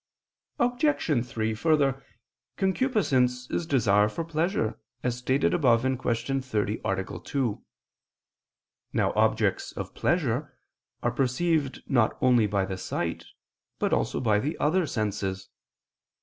Obj. 3: Further, concupiscence is desire for pleasure, as stated above (Q. 30, A. 2). Now objects of pleasure are perceived not only by the sight, but also by the other senses.